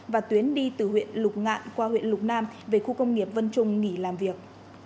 và tuyến đi từ huyện lục ngạn qua huyện lục nam về khu công nghiệp vân trung nghỉ làm việc